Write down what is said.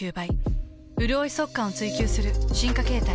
うるおい速乾を追求する進化形態。